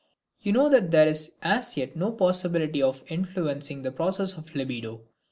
You know that there is as yet no possibility of so influencing the processes of the libido.